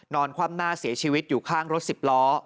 คว่ำหน้าเสียชีวิตอยู่ข้างรถสิบล้อ